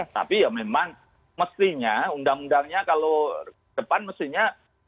tapi ya memang mestinya undang undangnya kalau depan mestinya